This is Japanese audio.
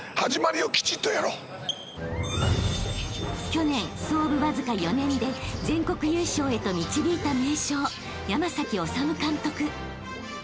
［去年創部わずか４年で全国優勝へと導いた名将］